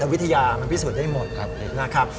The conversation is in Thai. แต่วิทยามันพิสูจน์ได้หมดนะครับ